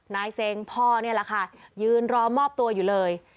เซ็งพ่อนี่แหละค่ะยืนรอมอบตัวอยู่เลย